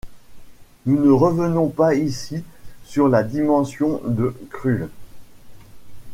Nous ne revenons pas ici sur la dimension de Krull.